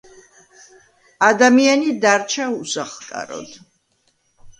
ადამიანი დარჩა უსახლკაროდ.